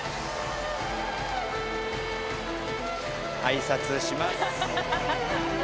「あいさつします」